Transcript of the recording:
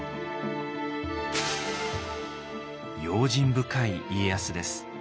用心深い家康です。